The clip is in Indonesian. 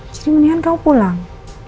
jadi mendingan kamu pulang